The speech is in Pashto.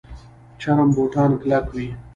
چرم بوټان کلک وي